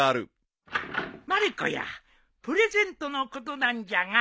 まる子やプレゼントのことなんじゃが。